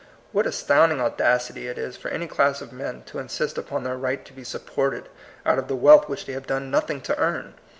What astounding audacity it is for any class of men to insist upon their right to be supported out of the wealth which they have done nothing to earn!